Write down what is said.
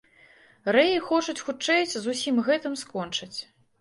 Рэі хочуць хутчэй з усім гэтым скончыць.